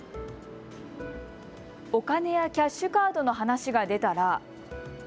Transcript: お金やキャッシュカードの話が出たら。